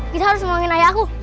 kita harus ngomongin ayah aku